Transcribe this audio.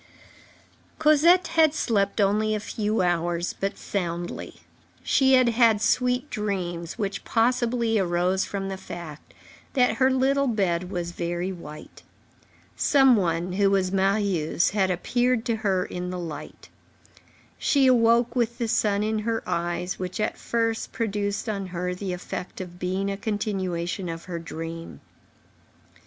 Cosette had slept only a few hours, but soundly. She had had sweet dreams, which possibly arose from the fact that her little bed was very white. Some one, who was Marius, had appeared to her in the light. She awoke with the sun in her eyes, which, at first, produced on her the effect of being a continuation of her dream.